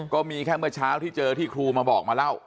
ก็มีแค่เมื่อเช้าที่เจอที่ครูมาบอกมาเล่า